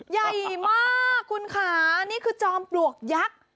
ใหญ่มากคุณค่ะนี่คือจอมปลวกยักษ์